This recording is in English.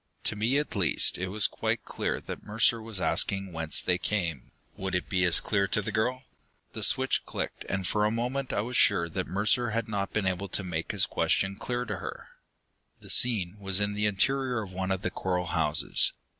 To me, at least, it was quite clear that Mercer was asking whence they came. Would it be as clear to the girl? The switch clicked, and for a moment I was sure Mercer had not been able to make his question clear to her. The scene was the interior of one of the coral houses.